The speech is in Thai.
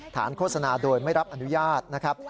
โฆษณาโดยไม่รับอนุญาตนะครับ